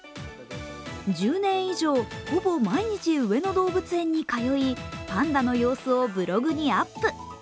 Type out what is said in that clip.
１０年以上ほぼ毎日、上野動物園に通い、パンダの様子をブログにアップ。